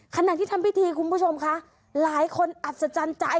ขณะที่ทำพิธีคุณผู้ชมคะหลายคนอัศจรรย์ใจ